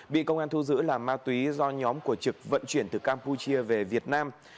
bị công an thu giữ là ma túy do nhóm của trực vận chuyển từ campuchia về việt nam